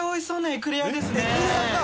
エクレアか！